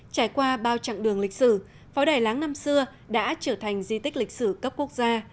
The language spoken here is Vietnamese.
trải qua bao chặng đường lịch sử pháo đài láng năm xưa đã trở thành di tích lịch sử cấp quốc gia